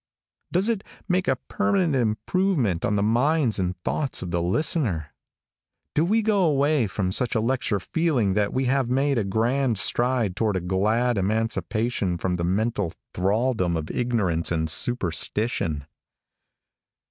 Does it make a permanent improvement on the minds and thoughts of the listener? Do we go away from such a lecture feeling that we have made a grand stride toward a glad emancipation from the mental thraldom of ignorance and superstition?